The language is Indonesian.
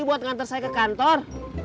buat ngantar saya ke kantor